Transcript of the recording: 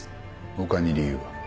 他に理由は？